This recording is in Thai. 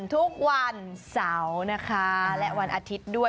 ทุกวันเสาร์นะคะและวันอาทิตย์ด้วย